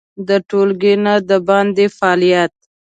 د ټولګي نه د باندې فعالیت